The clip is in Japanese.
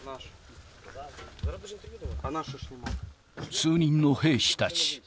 数人の兵士たち。